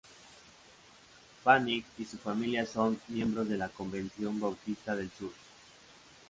Fanning y su familia son miembros de la Convención Bautista del Sur.